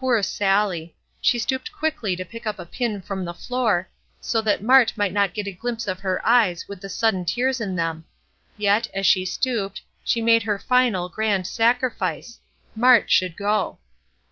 Poor Sallie! She stooped quickly to pick up a pin from the floor, so that Mart might not get a glimpse of her eyes with the sudden tears in them. Yet, as she stooped, she made her final, grand sacrifice Mart should go!